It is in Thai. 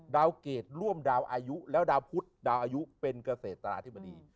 เกรดร่วมดาวอายุแล้วดาวพุทธดาวอายุเป็นเกษตราธิบดี